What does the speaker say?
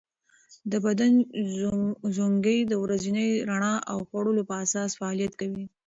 د بدن ژوڼکې د ورځني رڼا او خوړو په اساس فعالیت کوي.